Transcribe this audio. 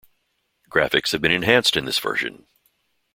Graphics have been enhanced in this version.